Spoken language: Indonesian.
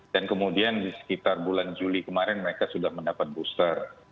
dan kemudian di sekitar bulan juli kemarin mereka sudah mendapat booster